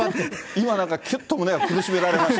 今なんか、きゅっと胸が苦しめられました。